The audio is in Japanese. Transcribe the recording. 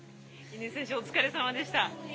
乾選手、お疲れさまでした。